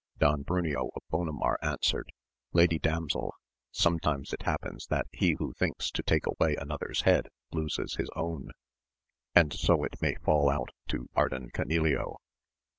Don Bruneo of Bonamar answered. Lady damsel, sometimes it happens that he who thinks to take away anothers head loses his own, and so it may fall out to Ardan Canileo.